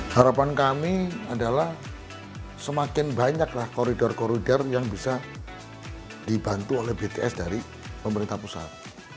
harapan kami adalah semakin banyaklah koridor koridor yang bisa dibantu oleh bts dari pemerintah pusat